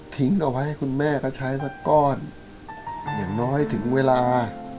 เอาไว้ให้คุณแม่ก็ใช้สักก้อนอย่างน้อยถึงเวลา